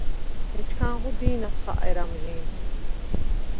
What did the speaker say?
ეჩქანღო დი̄ნას ხაყერ ამჟი̄ნ.